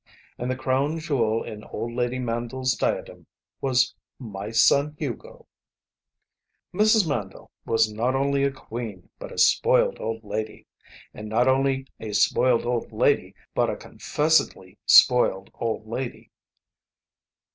And the crown jewel in old lady Mandle's diadem was my son Hugo. Mrs. Mandle was not only a queen but a spoiled old lady. And not only a spoiled old lady but a confessedly spoiled old lady.